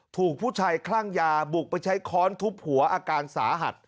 ถูกผู้ชายคลั่งยาบุกไปใช้ค้อนทุบหัวอาการสาหัส